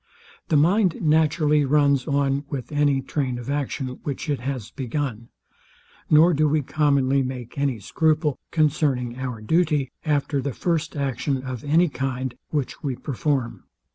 The mind naturally runs on with any train of action, which it has begun; nor do we commonly make any scruple concerning our duty, after the first action of any kind, which we perform.